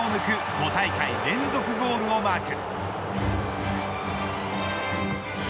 ５大会連続ゴールをマーク。